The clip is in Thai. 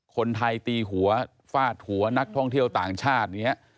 คนไทยตีหัวฟาดหัวนักท่องเที่ยวต่างชาติอย่างนี้